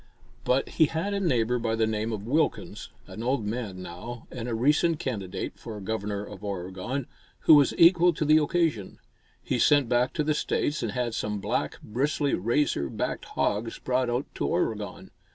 But he had a neighbor by the name of Wilkins, an old man now, and a recent candidate for Governor of Oregon, who was equal to the occasion. He sent back to the States and had some black, bristly, razor backed hogs brought out to Oregon.